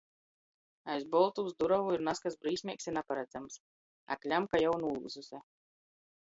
Aiz boltūs durovu ir nazkas brīsmeigs i naparadzams, a kļamka jau nūlyuzuse.